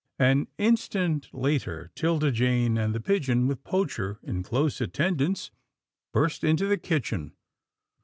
An instant later, 'Tilda Jane and the pigeon, with Poacher in close attendance, burst into the kitchen.